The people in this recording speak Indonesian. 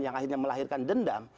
yang akhirnya melahirkan dendam